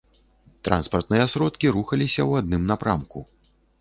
Транспартныя сродкі рухаліся ў адным напрамку.